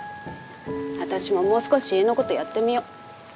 私ももう少し家のことやってみよう。